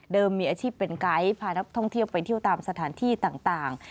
มีอาชีพเป็นไกด์พานักท่องเที่ยวไปเที่ยวตามสถานที่ต่าง